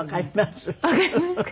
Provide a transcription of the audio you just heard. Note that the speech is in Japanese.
わかりますか？